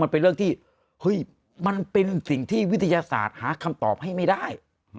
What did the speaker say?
มันเป็นเรื่องที่วิทยาศาสตร์หาคำตอบให้ไม่ได้